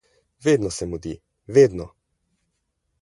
Vedno se mudi, vedno!